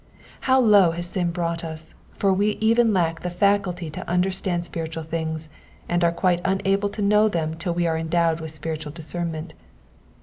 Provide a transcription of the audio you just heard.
How low has sin brought us ; for we even lack the faculty to understand spiritual things, and are quite unable to know them till we are endowed wita spiritual discernment.